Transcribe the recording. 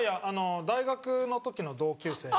大学の時の同級生で。